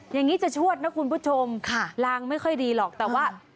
อย่างนี้จะชวดนะคุณผู้ชมลางไม่ค่อยดีหรอกแต่ว่า